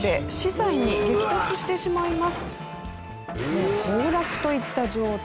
もう崩落といった状態。